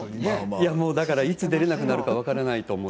だからいつ出られなくなるか分からないと思って。